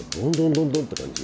ドンドンって感じ？